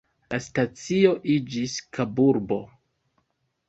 La stacio iĝis Kaburbo.